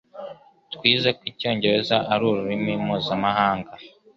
Twize ko icyongereza ari ururimi mpuzamahanga